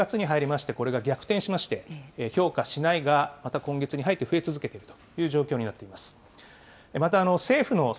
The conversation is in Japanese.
ところが、先月・８月に入りまして、これが逆転しまして、評価しないが、また今月に入って増え続けているという状況になっています。